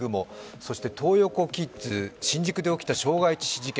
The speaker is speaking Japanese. そしてトー横キッズ、新宿で起きた傷害致死事件。